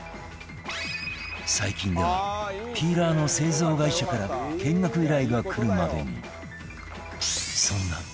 最近ではピーラーの製造会社から見学依頼がくるまでに